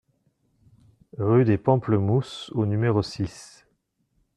Rue des Pamplemousses au numéro six